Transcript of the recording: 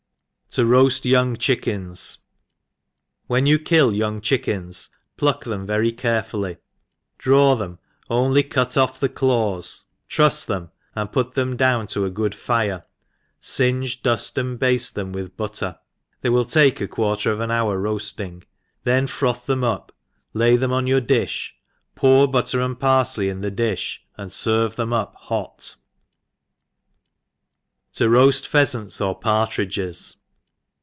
To roaft young Chickens. WHEN you roaft young chickens, pluck them very carefully, draw them, only cut off the claws, trufs them^ and put them down to a good fire, finge, duft, and baftcthcm with but ter ; they will take a quarter of an hour roaft ing, then froth them up, lay them on your di(h, pour butter and parfley in the difh^ and ferve them up hot. ?Vr^^ Pheasants or Partridges.